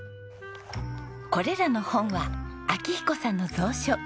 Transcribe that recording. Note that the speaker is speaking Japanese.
これらの本は明彦さんの蔵書。